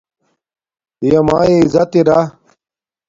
پیا مایے عزت ارا